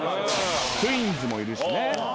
ツインズもいるしね。